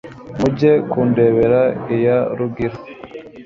Mujye kundebera iya Rugina